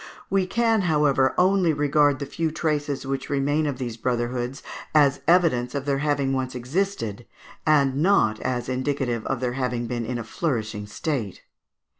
We can, however, only regard the few traces which remain of these brotherhoods as evidence of their having once existed, and not as indicative of their having been in a flourishing state.